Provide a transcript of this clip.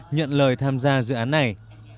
nhận lời tham gia dự án này